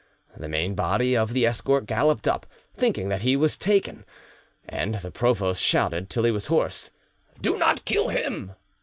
The main body of the escort galloped up, thinking that he was taken; and the provost shouted till he was hoarse, "Do not kill him!"